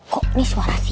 kok ini suara sisir